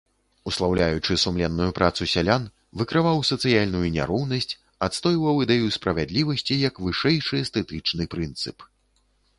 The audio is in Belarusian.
Услаўляючы сумленную працу сялян, выкрываў сацыяльную няроўнасць, адстойваў ідэю справядлівасці як вышэйшы эстэтычны прынцып.